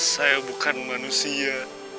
saya bukan manusia